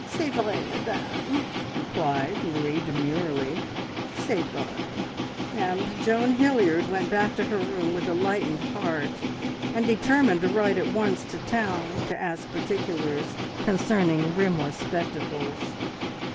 "C'est vrai, Madame," replied Marie demurely, "C'est vrai," and Joan Hilliard went back to her room with a lightened heart, and determined to write at once to town to ask particulars concerning rimless spectacles.